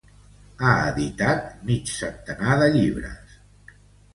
Ha editat mig centenar de llibres.